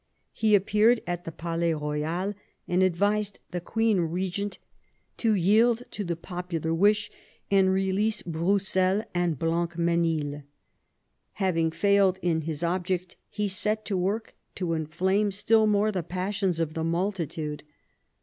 He appeared at the Palais Koyal and advised the queen regent to yield to the popular wish and release Broussel and Blancmesnil. Having failed in his object, he set to work to inflame still more the passions of the multitude.